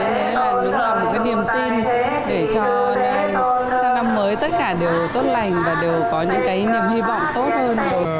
đấy là một niềm tin để cho sang năm mới tất cả đều tốt lành và đều có những niềm hy vọng tốt hơn